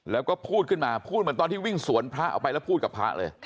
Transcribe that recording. แล้วก็พูดขึ้นมาพูดเหมือนตอนที่วิ่งสวนพระออกไปแล้วพูดกับพระเลย